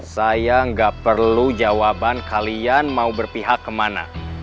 saya nggak perlu jawaban kalian mau berpihak kemana